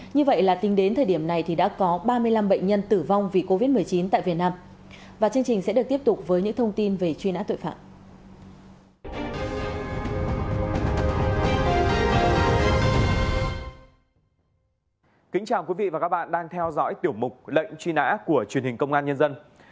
như vậy là tính đến thời điểm này thì đã có ba mươi năm bệnh nhân tử vong vì covid một mươi chín tại việt nam